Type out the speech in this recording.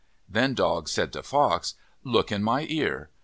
Then Dog said to Fox, " Look in my ear."